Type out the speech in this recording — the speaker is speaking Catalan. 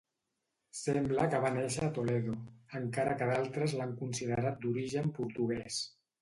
Sembla que va néixer a Toledo, encara que d'altres l'han considerat d'origen portuguès.